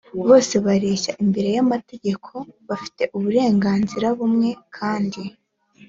bose bareshya imbere y amategeko bafite uburenganzira bumwe kandi